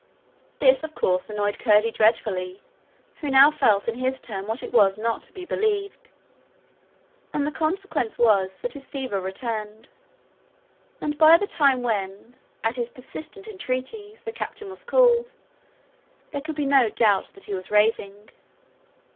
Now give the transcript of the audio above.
This, of course, annoyed Curdie dreadfully, who now felt in his turn what it was not to be believed, and the consequence was that his fever returned, and by the time when, at his persistent entreaties, the captain was called, there could be no doubt that he was raving.